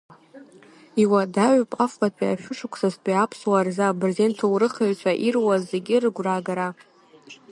Иуадаҩуп афбатәи ашәышықәсазтәи аԥсуаа рзы абырзен ҭоурыхҩҩцәа ирҩуаз зегьы рыгәра агара.